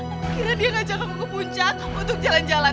akhirnya dia ngajak kamu ke puncak untuk jalan jalan